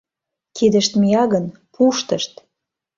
— Кидышт мия гын, пуштышт...